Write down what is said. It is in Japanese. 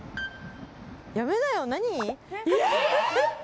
やめなよ何？え！